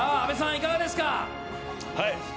いかがですか？